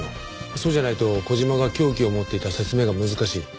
そうじゃないと小島が凶器を持っていた説明が難しい。